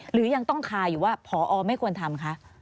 หรือยังต้องคาอยู่ว่าพอไม่ควรทำคะ